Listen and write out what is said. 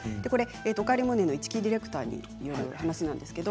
「おかえりモネ」の一木ディレクターの話です。